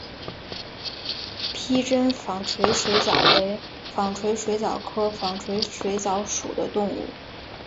披针纺锤水蚤为纺锤水蚤科纺锤水蚤属的动物。